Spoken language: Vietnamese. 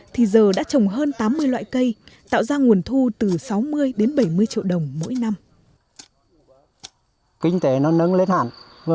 thì giờ đã trồng hơn tám mươi loại cây tạo ra nguồn thu từ sáu mươi đến bảy mươi triệu đồng mỗi năm